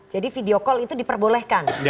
jadi video call itu diperbolehkan